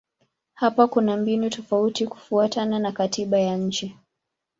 Hapa kuna mbinu tofauti kufuatana na katiba ya nchi.